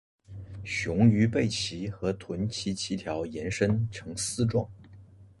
雄鱼背鳍和臀鳍鳍条延伸呈丝状。